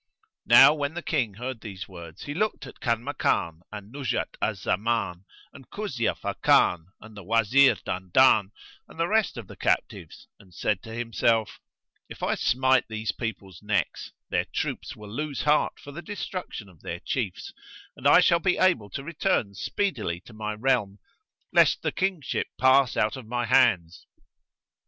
Now when the King heard these words he looked at Kanmakan and Nuzhat al Zaman and Kuzia Fakan and the Wazir Dandan and the rest of the captives and said to himself, "If I smite these people's necks, their troops will lose heart for the destruction of their chiefs and I shall be able to return speedily to my realm, lest the Kingship pass out of my hands."